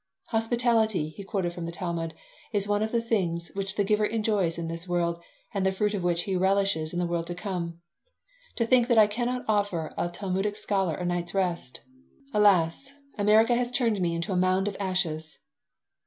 "'Hospitality,'" he quoted from the Talmud, "'is one of the things which the giver enjoys in this world and the fruit of which he relishes in the world to come.' To think that I cannot offer a Talmudic scholar a night's rest! Alas! America has turned me into a mound of ashes."